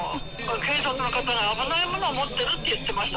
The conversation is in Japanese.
警察の方が危ないものを持ってるって言ってました。